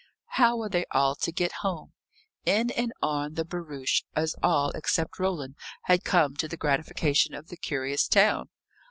How were they all to get home? In and on the barouche, as all, except Roland, had come, to the gratification of the curious town?